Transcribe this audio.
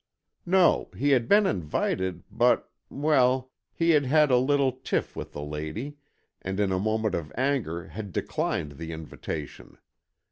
"No. He had been invited, but—well, he had had a little tiff with the lady, and in a moment of anger had declined the invitation.